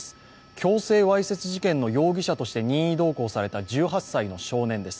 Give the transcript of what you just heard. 強制わいせつ事件の容疑者として任意同行された１８歳の少年です。